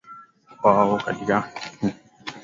Uao wake ukaonesha uzito uliotisha macho ya Jacob Matata